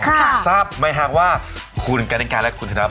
ทั้งสร้าพไมฮ์ว่าคุณกะนิกาและคุณธนพนเนี่ยนะครับ